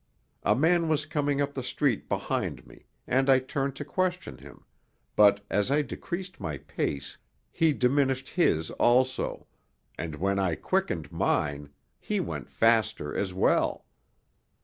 A man was coming up the street behind me, and I turned to question him, but as I decreased my pace, he diminished his also, and when I quickened mine, he went faster as well.